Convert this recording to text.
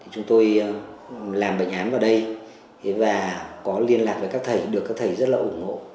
chúng tôi làm bệnh án vào đây và có liên lạc với các thầy được các thầy rất là ủng hộ